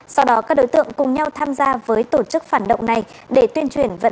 sau đó các đối tượng cùng nhau tham gia với tổ chức phản động này để tuyên truyền vận động